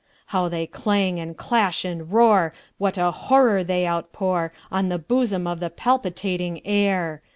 How they clang, and clash, and roar! What a horror they outpourOn the bosom of the palpitating air!